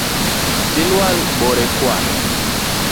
Silwal bore kwar